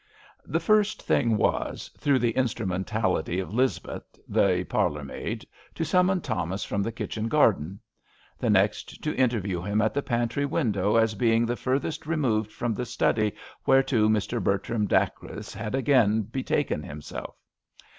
The first thing was, through the instrumentality of Lizbeth, the parlour maid, to summon Thomas from the kitchen garden; the next, to interview him at the pantry window as being the furthest removed from the study whereto Mr. Bertram Dacres had again betaken him self.